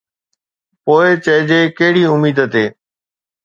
پوءِ چئجي ڪهڙي اميد تي